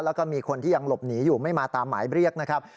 แล้วก็มีคนที่ยังหลบหนีอยู่ไม่มาตามหมายเรียกนะครับ